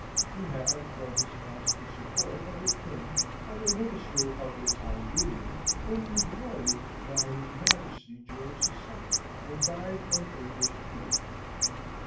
He had, from his constant support of the King and the Minister of the time being, been rewarded by his Majesty George II., and died an English peer.